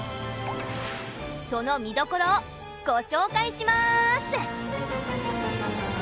その見どころをご紹介します